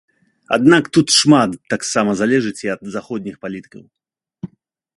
Аднак тут шмат таксама залежыць і ад заходніх палітыкаў.